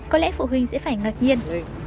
có lẽ phụ huynh sẽ phải ngạc nhiên